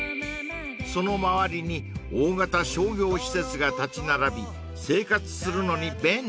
［その周りに大型商業施設が立ち並び生活するのに便利］